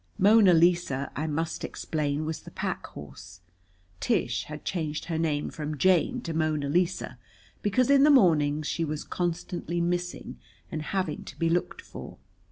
Mona Lisa, I must explain, was the pack horse. Tish had changed her name from Jane to Mona Lisa because in the mornings she was constantly missing, and having to be looked for.